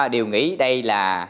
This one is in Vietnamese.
điều nghĩ đây là